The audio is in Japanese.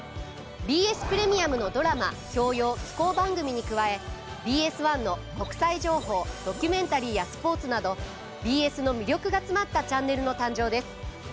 ＢＳプレミアムのドラマ教養紀行番組に加えＢＳ１の国際情報ドキュメンタリーやスポーツなどＢＳの魅力が詰まったチャンネルの誕生です。